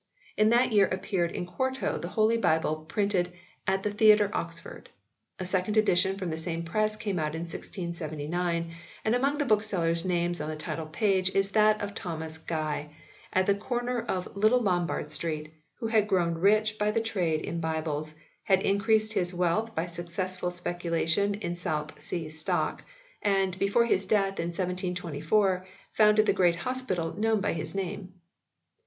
In that year appeared in quarto the Holy Bible, printed " At the Theater Oxford." A second edition from the same press came out in 1679, and among the booksellers names on the title page is that of Thomas Guy, "at the corner of Little Lumbard Street," who had grown rich by the trade in Bibles, had increased his wealth by successful speculation in South Sea Stock, and, before his death in 1724, founded the great Hospital known by his name.